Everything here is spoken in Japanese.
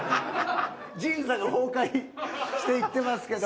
ジンザが崩壊していってますけど。